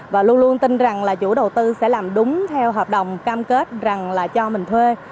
và luôn luôn tin rằng là chủ đầu tư sẽ làm đúng theo hợp đồng cam kết rằng là cho mình thuê